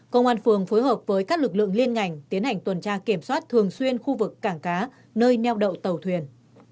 công an phường phối hợp với các lực lượng liên ngành tiến hành tuần tra kiểm soát thường xuyên khu vực cảng cá nơi neo đậu tàu thuyền